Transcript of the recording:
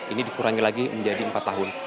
ini dikurangi lagi menjadi empat tahun